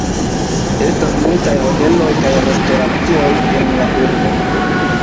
Estas multaj hoteloj kaj restoracioj en la urbo.